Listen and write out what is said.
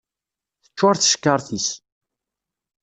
Teččuṛ tcekkaṛt-is.